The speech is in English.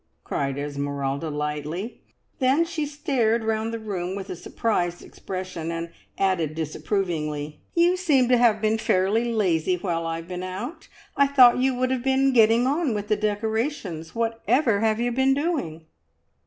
cried Esmeralda lightly. Then she stared round the room with a surprised expression, and added disapprovingly, "You seem to have been fairly lazy while I've been out. I thought you would have been getting on with the decorations. Whatever have you been doing?"